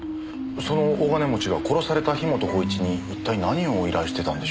その大金持ちが殺された樋本晃一に一体何を依頼してたんでしょう？